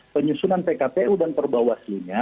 penyusunan pkpu dan perbawaslunya